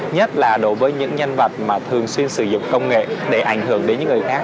nhất là đối với những nhân vật mà thường xuyên sử dụng công nghệ để ảnh hưởng đến những người khác